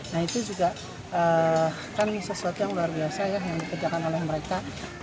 nah itu juga kan sesuatu yang luar biasa ya yang dikerjakan oleh mereka